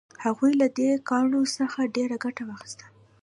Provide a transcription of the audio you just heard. هغوی له دې کاڼو څخه ډیره ګټه واخیسته.